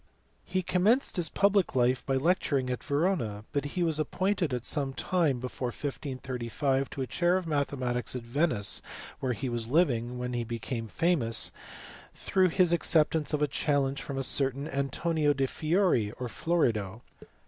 He commenced his public life by lecturing at Yerona, but he was appointed at some time before 1535 to a chair of mathe matics at Venice where he was living when he became famous through his acceptance of a challenge from a certain Antonio del Fieri (or Florida).